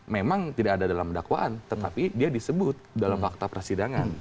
memang tidak ada dalam dakwaan tetapi dia disebut dalam fakta persidangan